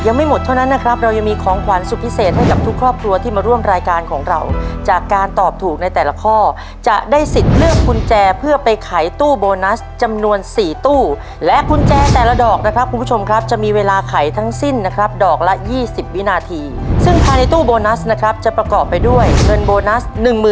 ยังไม่หมดเท่านั้นนะครับเรายังมีของขวัญสุดพิเศษให้กับทุกครอบครัวที่มาร่วมรายการของเราจากการตอบถูกในแต่ละข้อจะได้สิทธิ์เลือกกุญแจเพื่อไปขายตู้โบนัสจำนวนสี่ตู้และกุญแจแต่ละดอกนะครับคุณผู้ชมครับจะมีเวลาไขทั้งสิ้นนะครับดอกละยี่สิบวินาทีซึ่งภายในตู้โบนัสนะครับจะประกอบไปด้วยเงินโบนัสหนึ่งหมื่น